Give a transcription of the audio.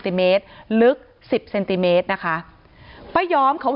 ที่มีข่าวเรื่องน้องหายตัว